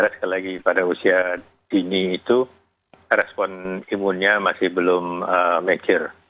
sekali lagi pada usia dini itu respon imunnya masih belum mature